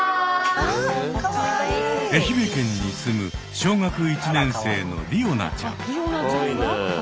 愛媛県に住む小学１年生のりおなちゃん。